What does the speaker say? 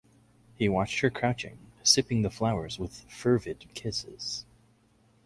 He watched her crouching, sipping the flowers with fervid kisses.